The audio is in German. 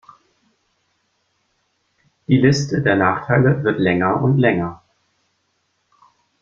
Die Liste der Nachteile wird länger und länger.